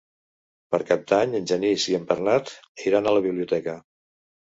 Per Cap d'Any en Genís i en Bernat iran a la biblioteca.